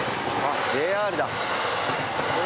ＪＲだ。